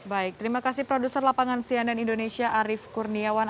baik terima kasih produser lapangan cnn indonesia arief kurniawan